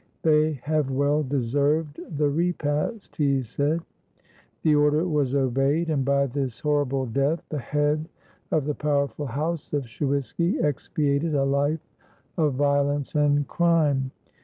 "They have well deserved the repast," he said. The order was obeyed, and by this horrible death the head of the powerful House of Shuiski expiated a life of violence and crime.